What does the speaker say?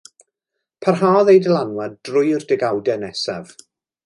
Parhaodd ei dylanwad drwy'r degawdau nesaf.